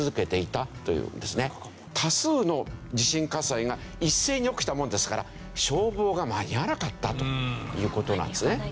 多数の地震火災が一斉に起きたものですから消防が間に合わなかったという事なんですね。